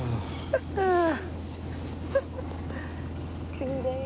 次です。